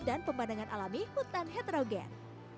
dan pemandangan alami hutan heterogen